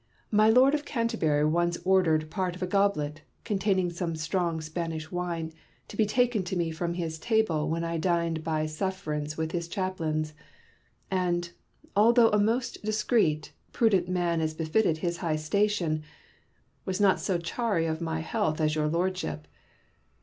My Lord of Canterbury once ordered part of a goblet, containing some strong Spanish wine, to be taken to me from his table when I dined by sufferance with his chaplains, and, although a most discreet, prudent man as befitteth his high station, was not so chary of my health as your Lordship.